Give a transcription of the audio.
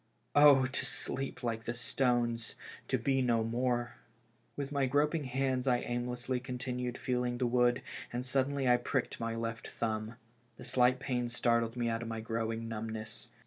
Oh! to sleep like the stones, to be no more! With my groping hands I aimlessly continued feeling the wood, and suddenly I pricked my left thumb. The slight pain startled me out of my growing numbness.